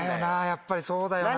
やっぱりそうだよな。